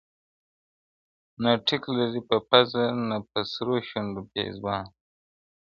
نه ټیک لري په پزه، نه پر سرو شونډو پېزوان!.